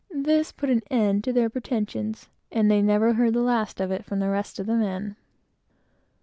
This put an end to their pretensions, and they never heard the last of it from the rest of the men.